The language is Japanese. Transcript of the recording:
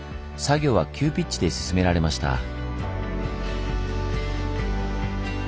作業は急ピッチで進められました。